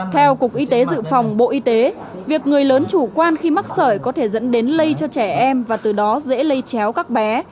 theo cục y tế dự phòng bộ y tế việc người lớn chủ quan khi mắc sởi có thể dẫn đến lây cho trẻ em và từ đó dễ lây chéo các bé